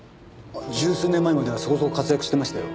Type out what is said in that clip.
十数年前まではそこそこ活躍してましたよ。